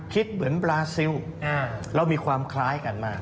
คิดเหมือนบราซิลเรามีความคล้ายกันมาก